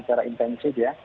secara intensif ya